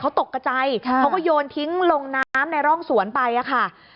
เขาตกกระใจเขาก็โยนทิ้งลงน้ำในร่องสวนไปค่ะ